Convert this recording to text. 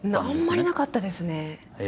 あんまりなかったですね。